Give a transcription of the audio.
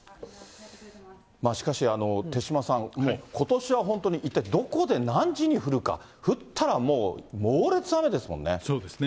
しかし手嶋さん、ことしは本当に一体どこで何時に降るか、降ったらもう、そうですね。